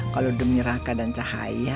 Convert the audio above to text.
kalau demi raka dan cahaya